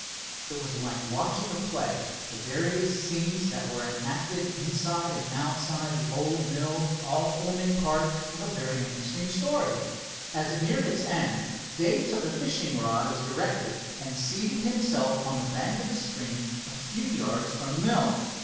It was like watching a play, the various scenes that were enacted inside and outside of the old mill, all forming part of a very interesting story. As it neared its end, Dave took a fishing rod, as directed, and seated himself on the bank of the stream a few yards from the mill.